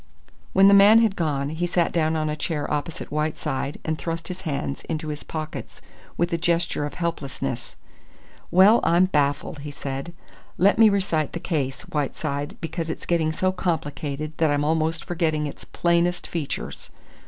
When the man had gone, he sat down on a chair opposite Whiteside and thrust his hands into his pockets with a gesture of helplessness. "Well, I'm baffled," he said. "Let me recite the case, Whiteside, because it's getting so complicated that I'm almost forgetting its plainest features.